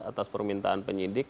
atas permintaan penyidik